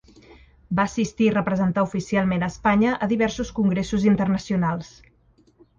Va assistir i representar oficialment a Espanya a diversos congressos internacionals.